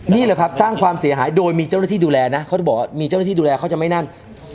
นี่แหละครับสร้างความเสียหายโดยมีเจ้าหน้าที่ดูแลนะเขาจะบอกว่ามีเจ้าหน้าที่ดูแลเขาจะไม่นั่น